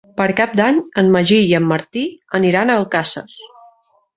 Per Cap d'Any en Magí i en Martí aniran a Alcàsser.